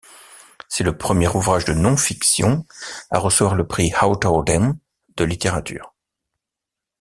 C'est le premier ouvrage de non-fiction à recevoir le prix Hawthornden de littérature.